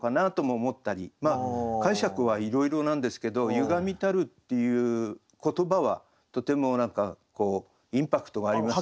解釈はいろいろなんですけど「歪みたる」っていう言葉はとても何かインパクトがありますよね。